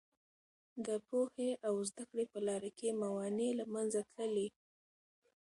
د پوهې او زده کړې په لاره کې موانع له منځه تللي.